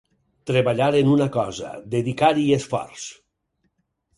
Treballar en una cosa, dedicar-hi esforç.